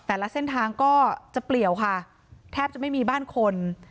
เส้นทางก็จะเปลี่ยวค่ะแทบจะไม่มีบ้านคน